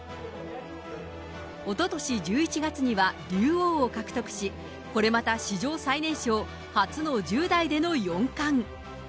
おととし１１月には竜王を獲得し、これまた史上最年少、初の１０代での四冠。